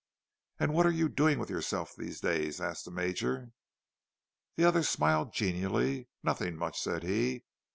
"And what are you doing with yourself these days?" asked the Major. The other smiled genially. "Nothing much," said he.